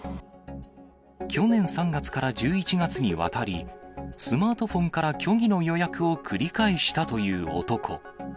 去年３月から１１月にわたり、スマートフォンから虚偽の予約を繰り返したという男。